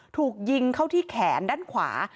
ถูกยิงเข้าที่แขนด้านขวา